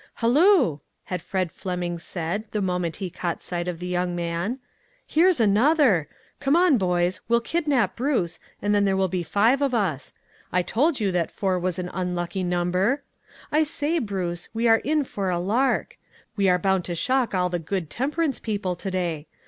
" Halloo !" had Fred Fleming said the moment he caught sight of the young man, "here's another. Come on, boys, we'll kid nap Bruce, and then there will be five of us. I told you that four was an unlucky SEVERAL STARTLING POINTS. 139 number. I say, Bruce, we are in for a lark. We are bound to shock all the good tem perance people to day.